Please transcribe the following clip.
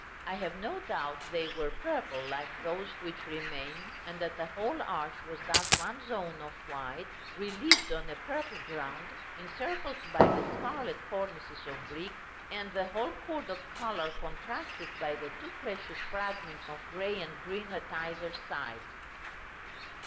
I have no doubt they were purple, like those which remain, and that the whole arch was thus one zone of white, relieved on a purple ground, encircled by the scarlet cornices of brick, and the whole chord of color contrasted by the two precious fragments of grey and green at either side.